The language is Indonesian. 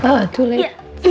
ah tuh like